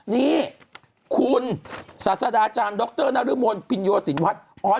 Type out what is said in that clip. นี่คุณศาสดาอาจารย์ด็อกเตอร์นะหรือหมดพินโยสินวัฒน์